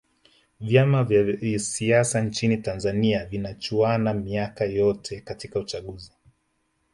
vyama vya siasa nchini tanzania vinachuana miaka yote katika chaguzi